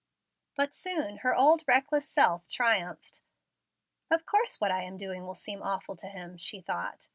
But soon her old reckless self triumphed. "Of course what I am doing will seem awful to him," she thought.